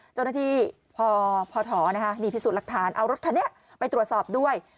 เจ้าหน้าที่พอถีพิสูจน์หลักฐานเอารถคันนี้ไปตรวจสอบด้วย